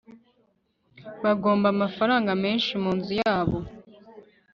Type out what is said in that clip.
bagomba amafaranga menshi munzu yabo